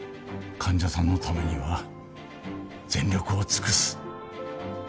患者さんのためには全力を尽くす。